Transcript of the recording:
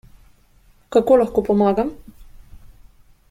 Kako lahko pomagam?